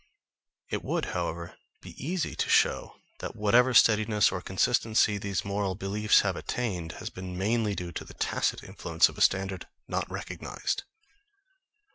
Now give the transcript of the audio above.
It would, however, be easy to show that whatever steadiness or consistency these moral beliefs have, attained, has been mainly due to the tacit influence of a standard not recognised.